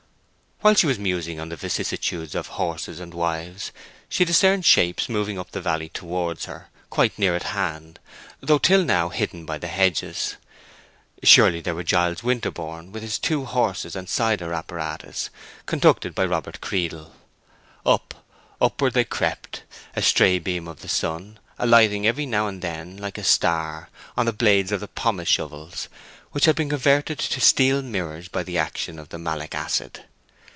While she was musing on the vicissitudes of horses and wives, she discerned shapes moving up the valley towards her, quite near at hand, though till now hidden by the hedges. Surely they were Giles Winterborne, with his two horses and cider apparatus, conducted by Robert Creedle. Up, upward they crept, a stray beam of the sun alighting every now and then like a star on the blades of the pomace shovels, which had been converted to steel mirrors by the action of the malic acid.